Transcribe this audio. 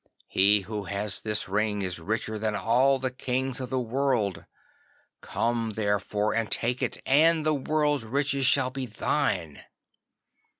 He who has this Ring is richer than all the kings of the world. Come therefore and take it, and the world's riches shall be thine.